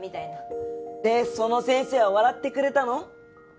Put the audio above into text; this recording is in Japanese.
でその先生は笑ってくれたの？